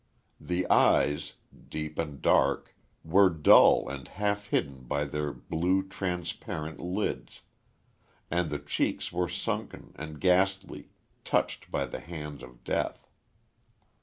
The eyes, deep and dark, were dull and half hidden by their blue, transparent lids. And the cheeks were sunken, and ghastly touched by the hand of death.